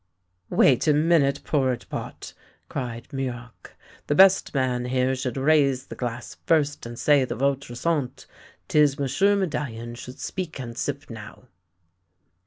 "" Wait a minute, porridge pot," cried Muroc. " The best man here should raise the glass first and say the votre sante. 'Tis M'sieu' Medallion should speak and sip now!